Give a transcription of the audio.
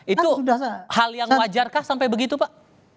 itu hal yang wajarkah sampai begitu pak